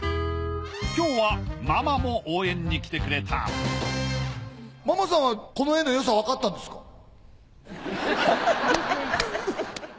今日はママも応援に来てくれたママさんはこの絵のよさわかったんですか？